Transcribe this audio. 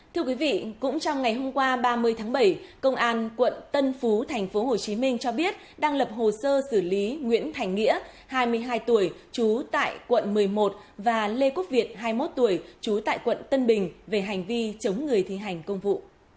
thưa quý vị cũng trong ngày hôm qua ba mươi tháng bảy công an quận tân phú tp hcm cho biết đang lập hồ sơ xử lý nguyễn thành nghĩa hai mươi hai tuổi trú tại quận một mươi một và lê quốc việt hai mươi một tuổi trú tại quận tân bình về hành vi chống người thi hành công vụ